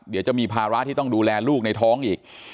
เดี๋ยวจะมีภาระที่ต้องดูแลลูกในท้องอีก